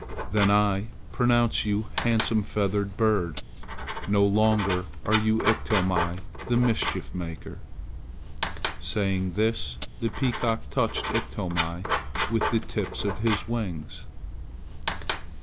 "Then I pronounce you a handsome feathered bird. No longer are you Iktomi the mischief maker." Saying this the peacock touched Iktomi with the tips of his wings.